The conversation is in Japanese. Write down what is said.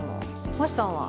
星さんは？